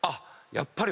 やっぱり。